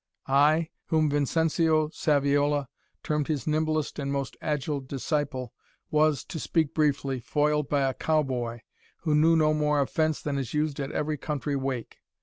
I, whom Vincentio Saviola termed his nimblest and most agile disciple, was, to speak briefly, foiled by a cow boy, who knew no more of fence than is used at every country wake.